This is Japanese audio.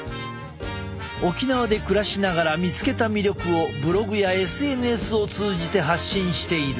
沖縄で暮らしながら見つけた魅力をブログやＳＮＳを通じて発信している。